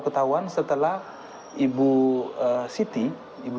ketahuan setelah ibu